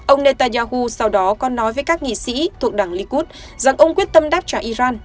ông netanyahu sau đó còn nói với các nghị sĩ thuộc đảng likud rằng ông quyết tâm đáp trả iran